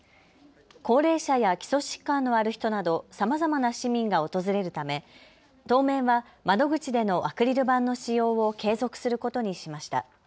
高齢者や基礎疾患のある人などさまざまな市民が訪れるため当面は窓口でのアクリル板の使用を継続することにしました。